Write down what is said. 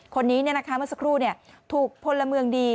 คนนี้เมื่อสักครู่ถูกพลเมืองดี